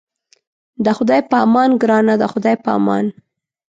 د خدای په امان ګرانه د خدای په امان.